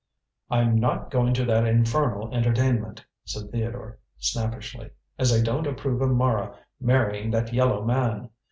"I'm not going to that infernal entertainment," said Theodore snappishly, "as I don't approve of Mara marrying that yellow man.